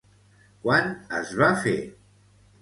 Quan es va fer?